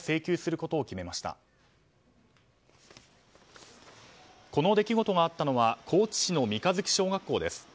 この出来事があったのは高知市の初月小学校です。